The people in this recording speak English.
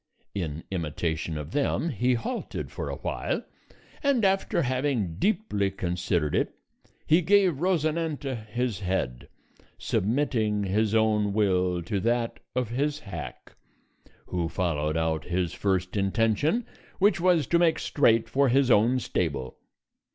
In imitation of them he halted for a while, and after having deeply considered it, he gave Rosinante his head, submitting his own will to that of his hack, who followed out his first intention, which was to make straight for his own stable.